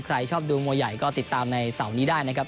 ใครชอบดูมวยใหญ่ก็ติดตามในเสาร์นี้ได้นะครับ